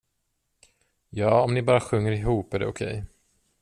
Ja, om ni bara sjunger ihop är det okej.